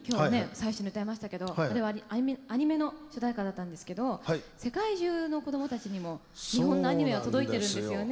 最初に歌いましたけどあれはアニメの主題歌だったんですけど世界中のこどもたちにも日本のアニメは届いてるんですよね。